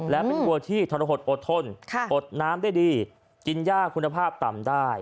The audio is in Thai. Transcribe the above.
และเป็นวัวที่ทรหดอดทนอดน้ำได้ดีกินยากคุณภาพต่ำได้